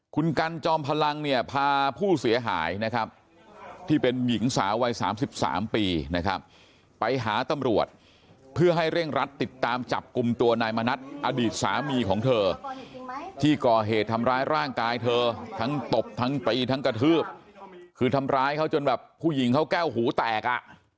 คุณกันจอมพลังเนี่ยพาผู้เสียหายนะครับที่เป็นหญิงสาววัย๓๓ปีนะครับไปหาตำรวจเพื่อให้เร่งรัดติดตามจับกลุ่มตัวนายมณัฐอดีตสามีของเธอที่ก่อเหตุทำร้ายร่างกายเธอทั้งตบทั้งตีทั้งกระทืบคือทำร้ายเขาจนแบบผู้หญิงเขาแก้วหูแตกอ่ะ